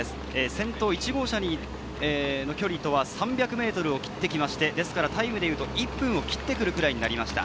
先頭、１号車の距離とは３００ｍを切ってきまして、タイムでいうと１分を切ってくるくらいになりました。